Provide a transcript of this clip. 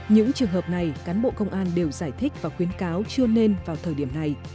những trường hợp này cán bộ công an đều giải thích và khuyến cáo chưa nên vào thời điểm này